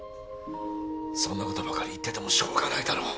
そんなことばかり言っててもしょうがないだろう。